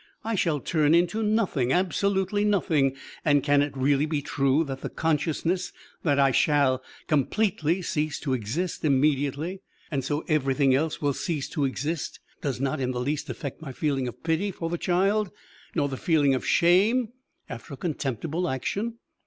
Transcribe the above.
I shall turn into nothing, absolutely nothing. And can it really be true that the consciousness that I shall completely cease to exist immediately and so everything else will cease to exist, does not in the least affect my feeling of pity for the child nor the feeling of shame after a contemptible action?